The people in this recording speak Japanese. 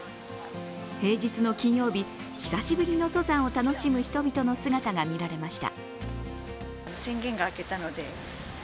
平日の金曜日、久しぶりの登山を楽しむ人々の姿が見られました。